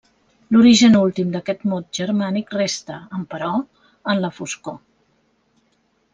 L'origen últim d'aquest mot germànic resta, emperò, en la foscor.